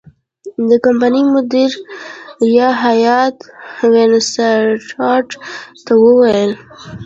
د کمپنۍ مدیره هیات وینسیټارټ ته وویل.